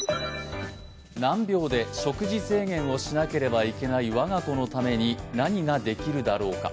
難病で食事制限をしなければならない我が子のために何ができるだろうか。